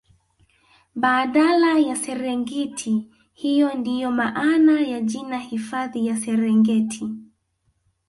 baadala ya serengiti hiyo ndio maana ya jina hifadhi ya Serengeti